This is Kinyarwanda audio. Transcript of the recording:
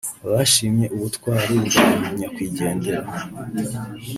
Bashimye ubutwari bwa Banyakwigendera